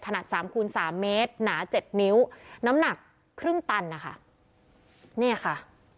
สามคูณสามเมตรหนาเจ็ดนิ้วน้ำหนักครึ่งตันนะคะเนี่ยค่ะ